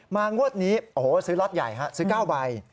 งวดนี้โอ้โหซื้อล็อตใหญ่ฮะซื้อ๙ใบ